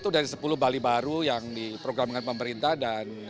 satu dari sepuluh bali baru yang diprogramkan pemerintah dan